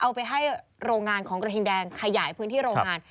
เอาไปให้โรงงานของกระทิงแดงขยายพื้นที่โรงงาน